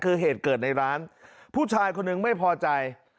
คือเหตุเกิดในร้านผู้ชายคนหนึ่งไม่พอใจ